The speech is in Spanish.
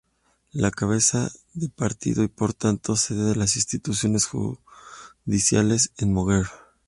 La cabeza de partido y por tanto sede de las instituciones judiciales es Moguer.